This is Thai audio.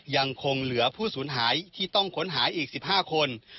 ยังคงเหลือผู้สูญหายที่ต้องค้นหาอีก๑๕คน